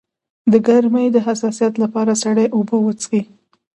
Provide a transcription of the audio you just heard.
د ګرمۍ د حساسیت لپاره سړې اوبه وڅښئ